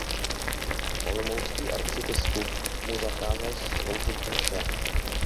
Olomoucký arcibiskup mu zakázal sloužit mše.